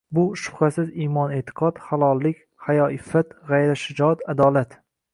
Bu, shubhasiz, imon-e’tiqod, halollik, hayo-iffat, g‘ayrat- shijoat, adolat